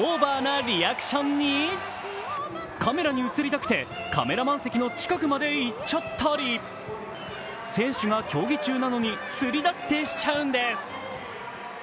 選手よりもオーバーなリアクションにカメラに映りたくてカメラマン席の近くまで行っちゃったり選手が競技中なのに、釣りだってしちゃうんです。